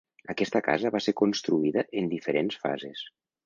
Aquesta casa va ser construïda en diferents fases.